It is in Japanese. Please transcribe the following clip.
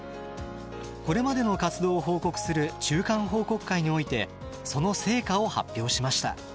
これまでの活動を報告する中間報告会においてその成果を発表しました。